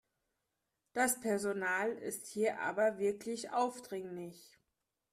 Das Personal ist hier aber wirklich aufdringlich.